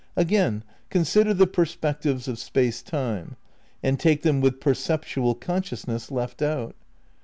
Again, consider the perspectives of Space Time ; and take them with perceptual consciousness left out.